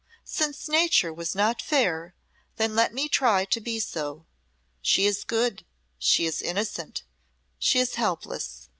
Since Nature was not fair, then let me try to be so. She is good, she is innocent, she is helpless.